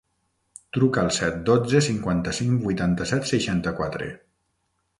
Truca al set, dotze, cinquanta-cinc, vuitanta-set, seixanta-quatre.